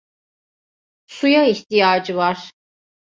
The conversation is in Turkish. Suya ihtiyacı var.